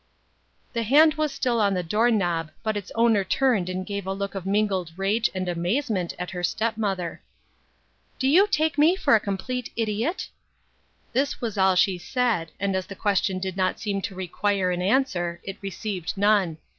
The hand was still on the door knob, but its owner turned and gave a look of mingled rage and amazement at her step mother. " Do you take me for a complete idiot ?" This was all she said, and as the question did not seem to require an answer, it received none.